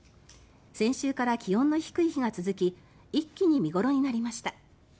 先週から気温の低い日が続き一気に見頃になりました。